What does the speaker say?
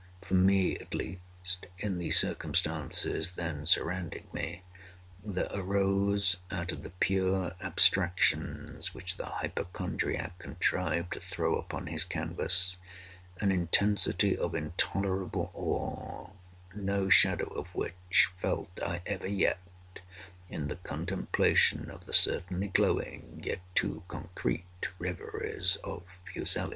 For me at least—in the circumstances then surrounding me—there arose out of the pure abstractions which the hypochondriac contrived to throw upon his canvass, an intensity of intolerable awe, no shadow of which felt I ever yet in the contemplation of the certainly glowing yet too concrete reveries of Fuseli.